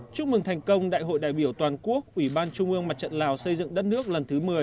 chúc mừng thành công đại hội đại biểu toàn quốc ủy ban trung ương mặt trận lào xây dựng đất nước lần thứ một mươi